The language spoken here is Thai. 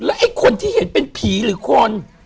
ไอ้คนที่เห็นเป็นผีหรือคน